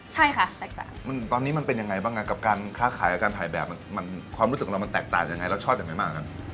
ใช่ค่ะแตกต่างมันตอนนี้มันเป็นยังไงบ้างน่ะกับการค่าขายกับการถ่ายแบบมันมันความรู้สึกว่ามันแตกต่างยังไงแล้วชอบยังไงมากน่ะ